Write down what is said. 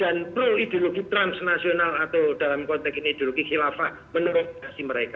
dan pro ideologi transnasional atau dalam konteks ini ideologi khilafah menerogasi mereka